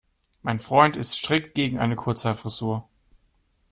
Mein Freund ist strikt gegen eine Kurzhaarfrisur.